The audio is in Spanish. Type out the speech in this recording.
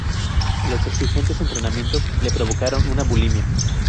Los exigentes entrenamientos le provocaron una bulimia.